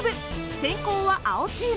先攻は青チーム。